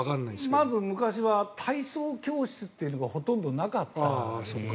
まず昔は体操教室っていうのがほとんどなかったんです。